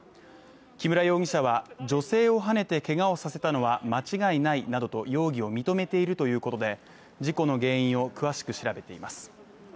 木村容疑者は、女性をはねてけがをさせたのは間違いないなどと容疑を認めているということで、事故の原因を詳しく調べています。